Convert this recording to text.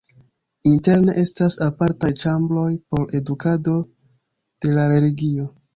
Interne estas apartaj ĉambroj por edukado de la religio.